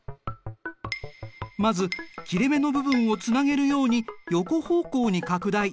まず切れ目の部分をつなげるように横方向に拡大。